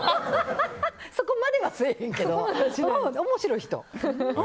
そこまではせえへんけど面白い人。